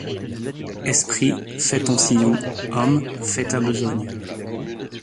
Esprit, fais ton sillon, homme, fais ta besogne.